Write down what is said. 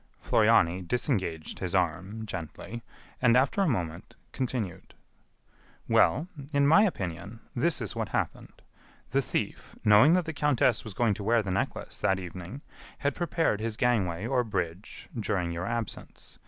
Floriani disengaged his arm gently, and, after a moment, continued: "Well, in my opinion, this is what happened. The thief, knowing that the countess was going to wear the necklace that evening, had prepared his gangway or bridge during your absence.